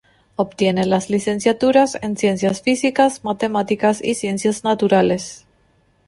Obtiene las licenciaturas en ciencias físicas, matemáticas y ciencias naturales.